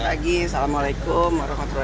selamat pagi assalamualaikum